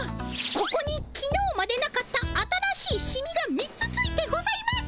ここにきのうまでなかった新しいシミが３つついてございます。